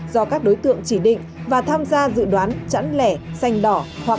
do các đối tượng chỉ định và tham gia dự đoán chẳng lẻ xanh đỏ hoặc đặt lệnh mua bán